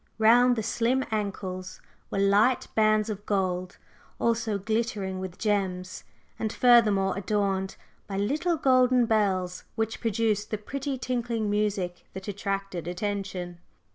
Round the slim ankles were light bands of gold, also glittering with gems, and furthermore adorned by little golden bells which produced the pretty tinkling music that attracted attention.